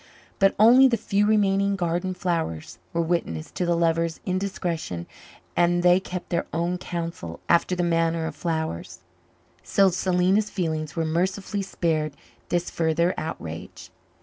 But only the few remaining garden flowers were witness to the lovers' indiscretion, and they kept their own counsel after the manner of flowers, so Selena's feelings were mercifully spared this further outrage.